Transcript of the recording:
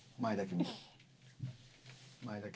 前だけ。